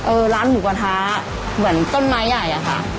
ร้านหมูกระทะเหมือนต้นไม้ใหญ่อะค่ะ